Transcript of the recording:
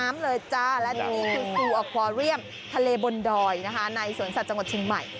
มันเป็นนิติใหม่